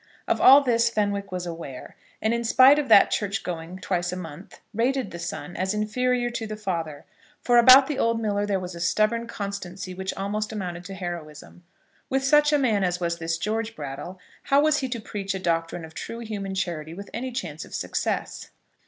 Of all this Fenwick was aware; and, in spite of that church going twice a month, rated the son as inferior to the father; for about the old miller there was a stubborn constancy which almost amounted to heroism. With such a man as was this George Brattle, how was he to preach a doctrine of true human charity with any chance of success?